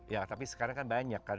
ya tapi sekarang kan banyak kan